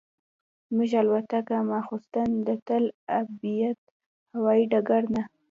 زموږ الوتکه ماسخوتن د تل ابیب هوایي ډګر نه.